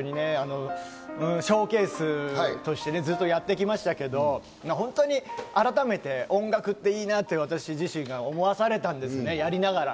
ＳＨＯＷＣＡＳＥとしてずっとやってきましたけど、本当に改めて音楽っていいなって、私自身が思わされたんですね、やりながら。